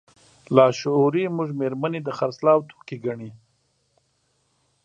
لاشعوري موږ مېرمنې د خرڅلاو توکي ګڼو.